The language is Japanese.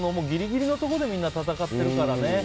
ギリギリのところでみんな戦ってるけどね。